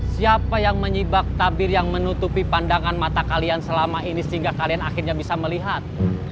siapa yang menyibak tabir yang menutupi pandangan mata kalian selama ini sehingga kalian akhirnya bisa melihat